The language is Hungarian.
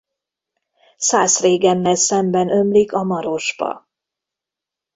Szászrégennel szemben ömlik a Marosba.